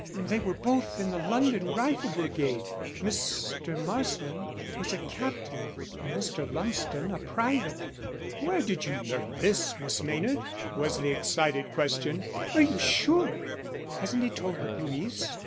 They were both in the London Rifle Brigade Mr. Marsland was a captain and Mr. Lumsden a private." "Where did you learn this, Miss Maynard?" was the excited question. "Are you sure?" "Hasn't he told the police?"